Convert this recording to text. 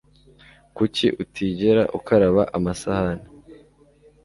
Kuki utigera ukaraba amasahani